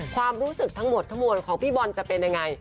ความรู้สึกทั้งหมดทั้งมวลของพี่บอลจะเป็นยังไง